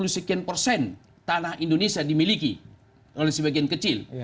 dua puluh sekian persen tanah indonesia dimiliki oleh sebagian kecil